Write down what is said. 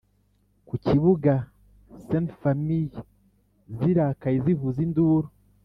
ku kibuga Ste Famille zirakaye zivuza induru